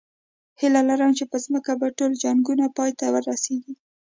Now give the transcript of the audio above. هیله لرم چې په ځمکه به ټول جنګونه پای ته ورسېږي